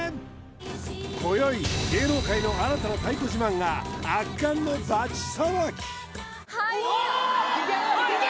今宵芸能界の新たな太鼓自慢が圧巻のバチ捌きおっあっいけ！